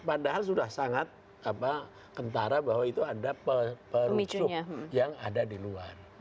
padahal sudah sangat kentara bahwa itu ada perujuk yang ada di luar